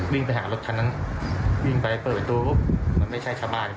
วิ่งไปหารถทั้งนั้นวิ่งไปเปิดตัวมันไม่ใช่ชาวบ้าน